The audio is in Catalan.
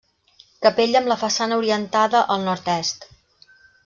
Capella amb la façana orientada al Nord-est.